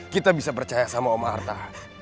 kita bisa percaya sama om artha